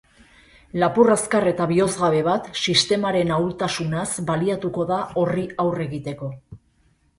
Lapur azkar eta bihozgabe bat sistemaren ahultasunaz baliatuko da horri aurre egiteko.